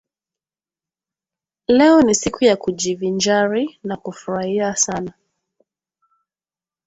Leo ni siku ya kujivinjari na kufurahia sana.